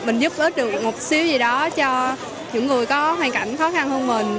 mình giúp ích được một xíu gì đó cho những người có hoàn cảnh khó khăn hơn mình